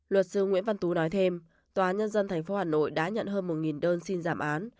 luật sư nguyễn văn tú nói thêm tòa nhân dân tp hà nội đã nhận hơn một đơn xin giảm án